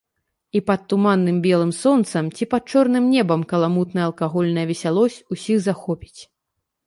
І пад туманным белым сонцам ці пад чорным небам каламутная алкагольная весялосць усіх захопіць.